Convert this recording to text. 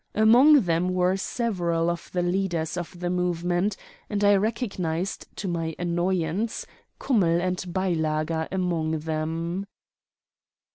Among them were several of the leaders of the movement, and I recognized, to my annoyance, Kummell and Beilager among them.